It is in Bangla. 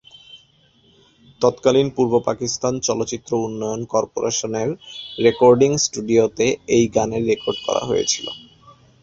তৎকালীন পূর্ব পাকিস্তান চলচ্চিত্র উন্নয়ন কর্পোরেশন-এর রেকর্ডিং স্টুডিওতে এই গানের রেকর্ড করা হয়েছিল।